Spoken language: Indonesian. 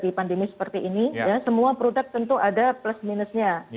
karena pandemi seperti ini semua produk tentu ada plus minusnya